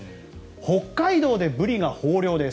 北海道でブリが豊漁です。